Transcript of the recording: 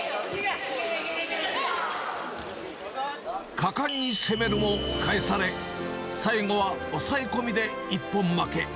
果敢に攻めるも返され、最後は押さえ込みで一本負け。